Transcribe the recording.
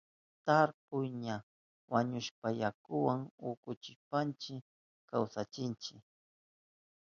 Tarpu ña wañuhushpan yakuwa ukuchishpanchi kawsachinchi.